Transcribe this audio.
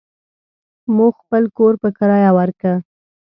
مو خپل کور په کريه وارکه.